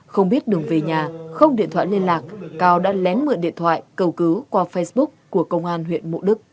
không biết đường về nhà không điện thoại liên lạc cao đã lén mượn điện thoại cầu cứu qua facebook của công an huyện mộ đức